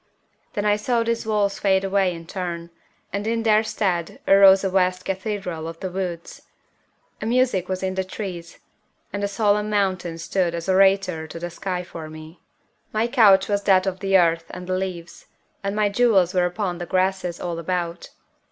Then I saw these walls fade away in turn, and in their stead arose a vast cathedral of the woods. A music was in the trees, and a solemn mountain stood as orator to the sky for me. My couch was that of the earth and the leaves, and my jewels were upon the grasses all about.